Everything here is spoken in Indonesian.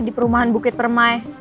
di perumahan bukit permai